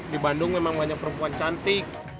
di bandung memang banyak perempuan cantik